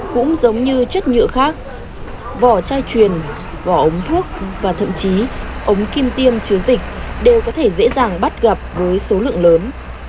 cũng giống như chất nhựa khác vỏ chai truyền vỏ ống thuốc và thậm chí ống kim tiêm chứa dịch đều có thể dễ dàng bắt gặp với số lượng lớn